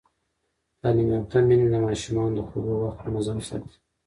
تعلیم یافته میندې د ماشومانو د خوړو وخت منظم ساتي.